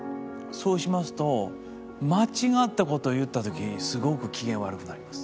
そうしますと間違った事を言った時すごく機嫌悪くなります。